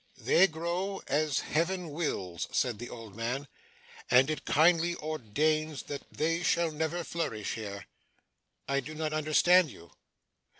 'They grow as Heaven wills,' said the old man; 'and it kindly ordains that they shall never flourish here.' 'I do not understand you.